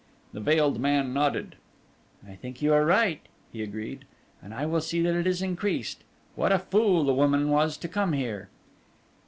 The veiled man nodded. "I think you are right," he agreed, "and I will see that it is increased. What a fool the woman was to come here!"